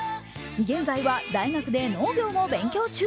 現在は大学で農業も勉強中。